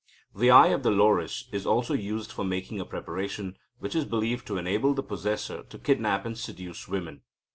The eye of the Loris is also used for making a preparation, which is believed to enable the possessor to kidnap and seduce women.